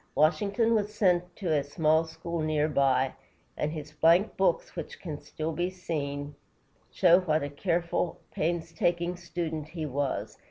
Washington was sent to a small school near by, and his blank books, which can still be seen, show what a careful, painstaking student he was.